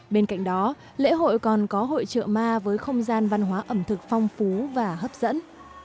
bên cạnh đó lễ hội còn có hội trợ ma với không gian văn hóa ẩm thực phong phú và hấp dẫn